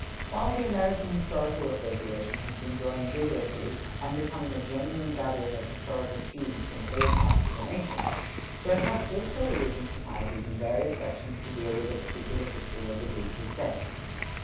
While the American Historical Association has been growing vigorously and becoming a genuine gathering of historical students from all parts of the nation, there have also arisen societies in various sections to deal with the particular history of the groups of States.